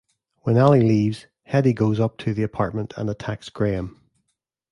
When Allie leaves, Hedy goes up to the apartment and attacks Graham.